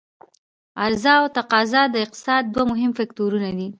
عرضا او تقاضا د اقتصاد دوه مهم فکتورونه دي.